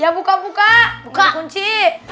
ya buka buka buka kunci